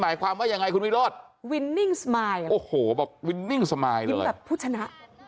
หมายความว่ายังไงคุณวิโรธอะโอ้โหบอกยิ้มแบบผู้ชนะ